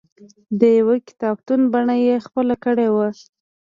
د یوه کتابتون بڼه یې خپله کړې وه.